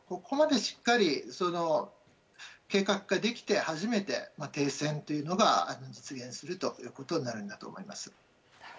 ここまでしっかり計画ができて初めて停戦というのが実現するということになるんだと思います。